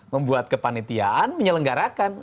membuat kepanitiaan menyelenggarakan